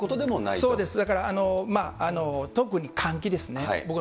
そうです、だから、特に換気ですね。